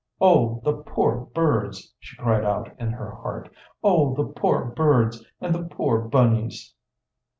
"Oh, the poor birds!" she cried out in her heart. "Oh, the poor birds, and the poor bunnies!"